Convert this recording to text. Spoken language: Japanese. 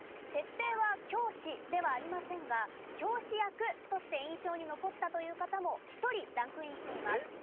設定は教師ではありませんが教師役として印象に残ったという方も１人ランクインしています。